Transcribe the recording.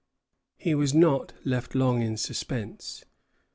He was not left long in suspense.